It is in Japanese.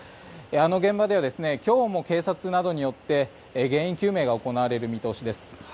あの現場では今日も警察などによって原因究明が行われる見通しです。